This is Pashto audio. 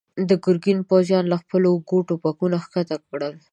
د ګرګين پوځيانو له خپلو اوږو ټوپکونه کښته کړل.